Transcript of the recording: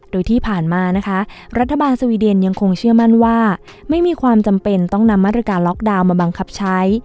โดยที่ผ่านมานะคะรัฐบาลสวีเดนยังคงเชื่อมั่นว่าไม่มีความจำเป็นต้องนำมาตรการล็อกดาวน์มาบังคับใช้